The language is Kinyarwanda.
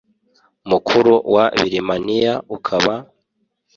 mukuru wa birimaniya ukaba